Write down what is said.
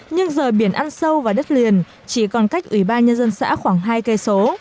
nhưng giờ biển ăn sâu vào đất liền chỉ còn cách ủy ban nhân dân xã khoảng hai cây số